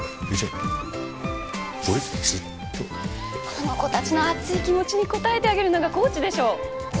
この子たちの熱い気持ちに応えてあげるのがコーチでしょ！